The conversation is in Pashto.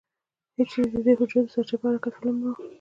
هېچېرې دده د حجرو د سرچپه حرکت فلم نه و.